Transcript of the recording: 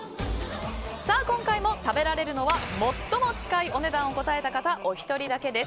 今回も食べられるのは最も近いお値段を答えたお一人だけです。